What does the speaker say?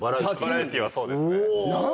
バラエティーはそうですね。